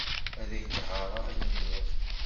Ad ak-d-ɣɣareɣ yal iḍ.